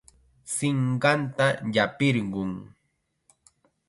Sinqanta llapirqun.